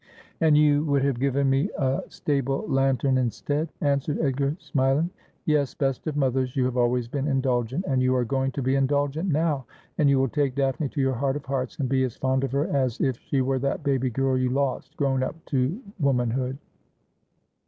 ' And you would have given me a stable lantern instead,' answered Edgar, smiling. ' Yes, best of mothers, you have always been indulgent, and you are going to be indulgent now, and you will take Daphne to your heart of hearts, and be as fond of her as if she were that baby girl you lost, grown up to womanhood.